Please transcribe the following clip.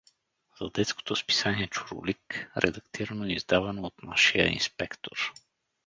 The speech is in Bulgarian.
— За детското списание „Чурулик“, редактирано и издавано от нашия инспектор.